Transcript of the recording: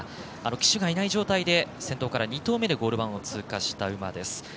騎手がいない状態で先頭から２頭目でゴール板を通過した馬です。